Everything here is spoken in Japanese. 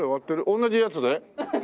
同じやつで？